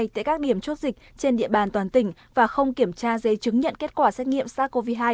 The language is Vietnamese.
tại các điểm chốt dịch trên địa bàn toàn tỉnh và không kiểm tra giấy chứng nhận kết quả xét nghiệm sars cov hai